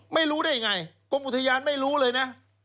ไม่รู้ได้ยังไงกรมอุทยานไม่รู้เลยนะ